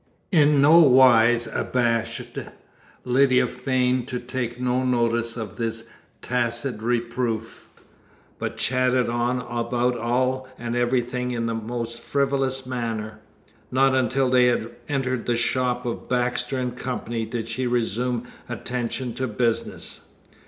In no wise abashed, Lydia feigned to take no notice of this tacit reproof, but chatted on about all and everything in the most frivolous manner. Not until they had entered the shop of Baxter & Co. did she resume attention to business.